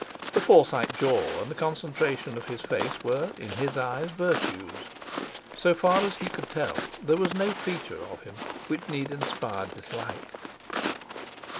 The Forsyte jaw and the concentration of his face were, in his eyes, virtues. So far as he could tell there was no feature of him which need inspire dislike.